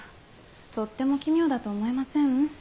とっても奇妙だと思いません？